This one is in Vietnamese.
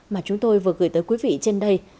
mà chúng tôi vừa gửi tới quý vị trên đây